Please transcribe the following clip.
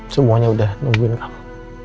semuanya udah nungguin kamu